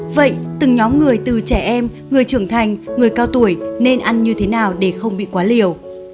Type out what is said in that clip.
vậy từng nhóm người từ trẻ em người trưởng thành người cao tuổi nên ăn như thế nào để không bị quá liều